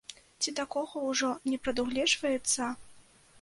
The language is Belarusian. Ці такога ўжо не прадугледжваецца?